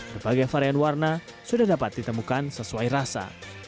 berbagai varian warna sudah dapat ditemukan sesuai rasa